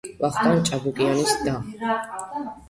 ვახტანგ ჭაბუკიანის და.